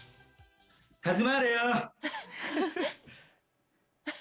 始まるよ。